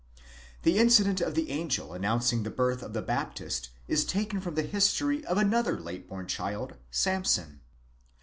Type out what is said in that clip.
The incident of the angel announcing the birth of the Baptist is taken from the history of another late born child, Samson.